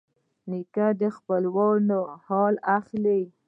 نیکه د خپلوانو حال اخلي.